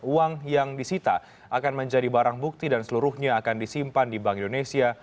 uang yang disita akan menjadi barang bukti dan seluruhnya akan disimpan di bank indonesia